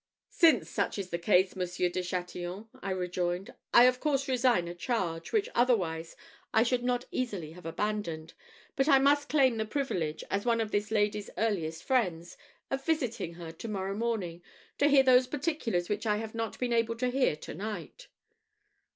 "Since such is the case, Monsieur de Chatillon," I rejoined, "I of course resign a charge, which otherwise I should not easily have abandoned; but I must claim the privilege, as one of this lady's earliest friends, of visiting her to morrow morning, to hear those particulars which I have not been able to hear to night."